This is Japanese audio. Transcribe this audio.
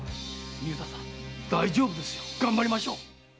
水田さん大丈夫ですよがんばりましょう！